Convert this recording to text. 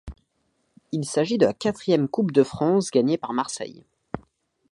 Il s'agit de la quatrième Coupe de France gagnée par Marseille.